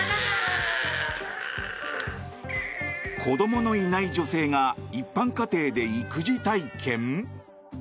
子どものいない女性が一般家庭で育児体験？